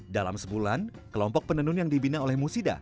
dalam sebulan kelompok penenun yang dibina oleh musida